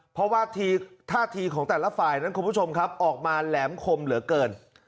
เพราะว่าท่าทีของแต่ละฝ่ายนั้นคุณผู้ชมครับออกมาแหลมคมเหลือเกิน